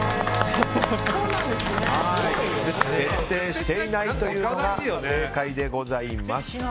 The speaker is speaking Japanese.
設定していないというのが正解でございます。